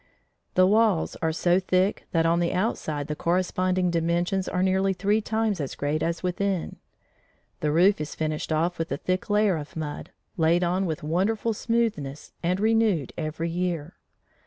The walls are so thick that on the outside the corresponding dimensions are nearly three times as great as within. The roof is finished off with a thick layer of mud, laid on with wonderful smoothness and renewed every year.